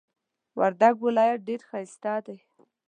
وردک ولایت ډیر ښایسته دی.